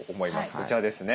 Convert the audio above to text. こちらですね。